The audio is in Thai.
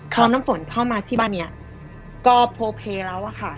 คราวน้ำฝนเข้ามาที่บ้านเนี้ยก็โปรเคแล้วอะค่ะ